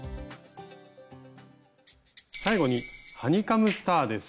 最後にハニカムスターです。